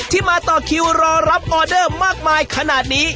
ที่มาต่อคิวรอรับออเดอร์มากมายขนาดนี้